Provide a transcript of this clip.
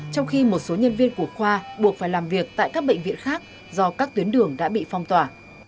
trong khi một số nhân viên của khoa buộc phải làm việc tại các bệnh viện khác do các tuyến đường đã bị phong tỏa